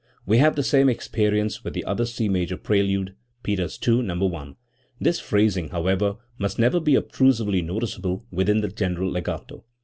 We have the same experience with the other C major prelude (Peters II, No. i). This phrasing, however, must never be obtrusively noticeable within the general legato.